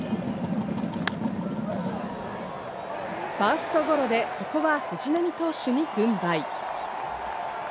ファーストゴロでここは藤浪投手に軍配。